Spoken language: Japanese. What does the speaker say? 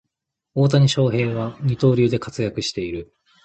大谷翔平は二刀流で活躍している